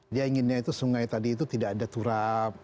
dia inginnya itu sungai tadi itu tidak ada turap